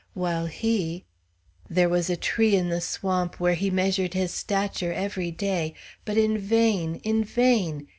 While he there was a tree in the swamp where he measured his stature every day; but in vain, in vain!